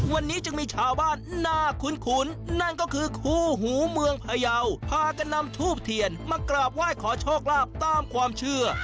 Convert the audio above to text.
วันนี้จึงมีชาวบ้านน่าคุ้นนั่นก็คือคู่หูเมืองพยาวพากันนำทูบเทียนมากราบไหว้ขอโชคลาภตามความเชื่อ